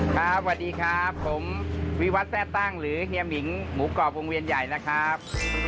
สวัสดีครับผมวิวัตรแทร่ตั้งหรือเฮียหมิงหมูกรอบวงเวียนใหญ่นะครับ